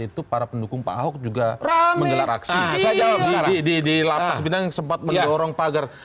itu para pendukung pak huk juga rame raksasa jawab jadi dilaporkan sempat menyorong pagar